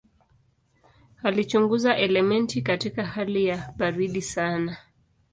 Alichunguza elementi katika hali ya baridi sana.